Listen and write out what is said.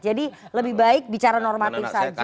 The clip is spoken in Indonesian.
jadi lebih baik bicara normatif saja